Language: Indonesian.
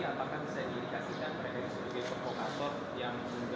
apakah bisa diindikasikan oleh